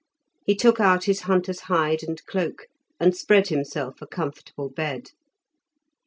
He took out his hunter's hide and cloak and spread himself a comfortable bed.